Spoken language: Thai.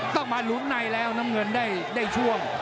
ต้องมาหลุมในแล้วน้ำเงินได้ช่วง